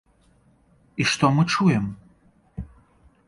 І што мы чуем?